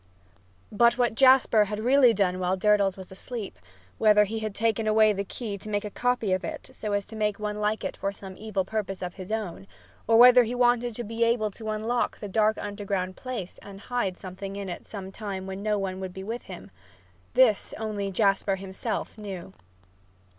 But what Jasper had really done while Durdles was asleep whether he had taken away the key to make a copy of it so as to make one like it for some evil purpose of his own, or whether he wanted to be able to unlock that dark underground place and hide something in it sometime when no one would be with him this only Jasper himself knew!